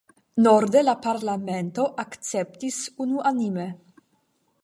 Norde la parlamentoj akceptis unuanime.